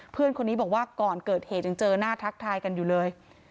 เพื่อนคนนี้บอกว่าก่อนเกิดเหตุยังเจอหน้าทักทายกันอยู่เลย